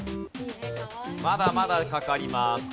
まだまだかかります。